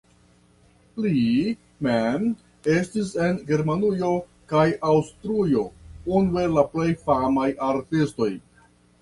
Li mem estis en Germanujo kaj Aŭstrujo unu el la plej famaj artistoj.